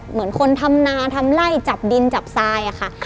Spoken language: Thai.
เหมือนคนทำนาทำไล่จับดินจับทรายอะค่ะ